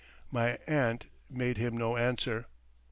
My aunt made him no answer.